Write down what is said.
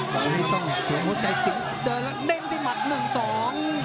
ตอนนี้ต้องตัวงดใจสิงห์เดินแล้วเด้นที่หมัดหนึ่งสอง